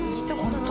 本当？